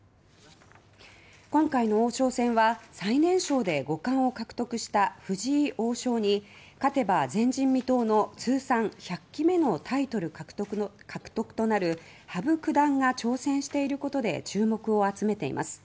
今回の王将戦は最年少で五冠を獲得した藤井王将に勝てば前人未到の通算１００期目のタイトル獲得の獲得となる羽生九段が挑戦していることで注目を集めています。